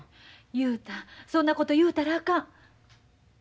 雄太そんなこと言うたらあかん。